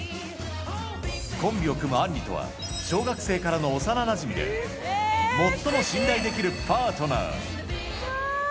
コンビを組むアンリとは、小学生からの幼なじみで、最も信頼できるパートナー。